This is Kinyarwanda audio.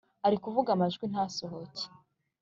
arikuvuga amajwi ntasohoke